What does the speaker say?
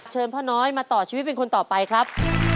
พ่อน้อยมาต่อชีวิตเป็นคนต่อไปครับ